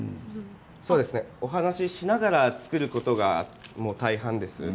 お話ししながら作ることが大半です。